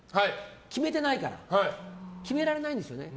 決めていないし決められないんですよね。